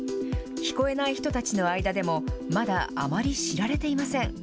聞こえない人たちの間でも、まだあまり知られていません。